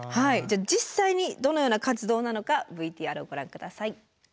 実際にどのような活動なのかＶＴＲをご覧下さい。